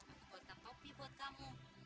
aku buatkan topi buat kamu